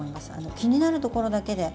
気になるところだけで。